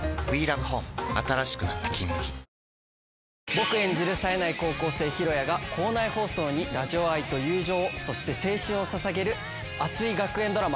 僕演じるさえない高校生浩哉が校内放送にラジオ愛と友情そして青春を捧げるあつい学園ドラマ。